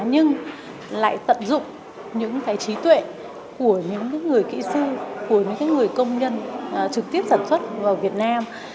nhưng lại tận dụng những cái trí tuệ của những người kỹ sư của những người công nhân trực tiếp sản xuất vào việt nam